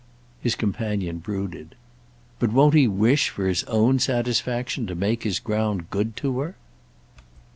His companion brooded. "But won't he wish for his own satisfaction to make his ground good to her?"